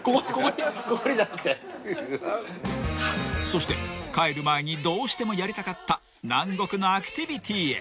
［そして帰る前にどうしてもやりたかった南国のアクティビティへ］